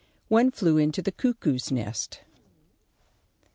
"ONE FLEW INTO THE CUCKOO'S NEST."